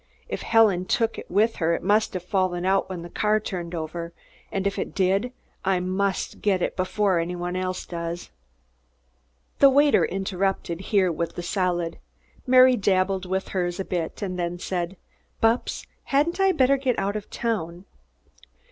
If Helen took it with her, it must have fallen out when the car turned over, and if it did, I must get it before anybody else does." The waiter interrupted here with the salad. Mary dabbled with hers a bit and then said: "Bupps, hadn't I better get out of town?"